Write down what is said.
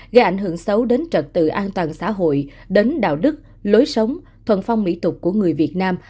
gây ảnh hưởng xấu đến trật tự an toàn xã hội đến đạo đức lối sống thuần phong mỹ tục của người việt nam